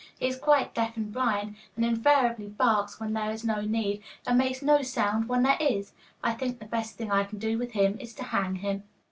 He is quite deaf and blind, and invariably barks when there is no need, and makes no sound when there is. I think the best thing I can do with him is to hang him.